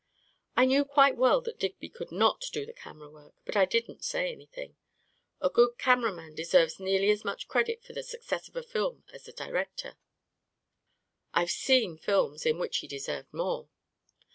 I knew quite well that Digby could not do the camera work, but I didn't say anything. A good cameraman deserves nearly as much credit for the success of a film as the director — I've seen pictures in which he deserved more.